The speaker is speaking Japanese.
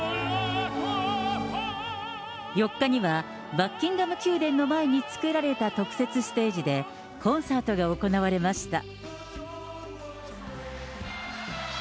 ４日には、バッキンガム宮殿の前に作られた特設ステージで、コンサートが行われました。